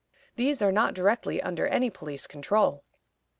These are not directly under any police control.